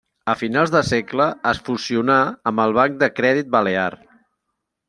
A finals de segle es fusionà amb el Banc de Crèdit Balear.